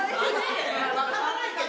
分からないけど。